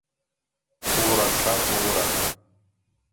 Кугуракшат кугурак.